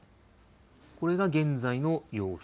これが現在の様子。